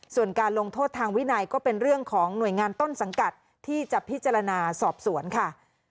ส่วนการลงโทษทางวินัยก็เป็นเรื่องของหน่วยงานต้นสังกัดที่จะพิจารณาสอบสวนค่ะ